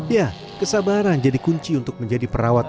ya kesabaran jadi kunci untuk menjadi perawat